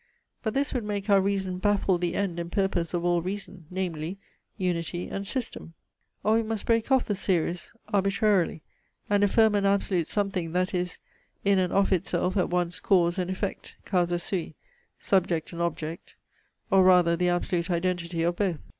But this would make our reason baffle the end and purpose of all reason, namely, unity and system. Or we must break off the series arbitrarily, and affirm an absolute something that is in and of itself at once cause and effect (causa sui), subject and object, or rather the absolute identity of both.